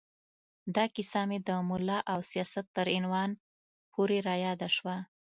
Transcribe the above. دا کیسه مې د ملا او سیاست تر عنوان پورې را یاده شوه.